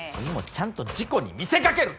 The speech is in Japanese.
ちゃんと事故に見せかける。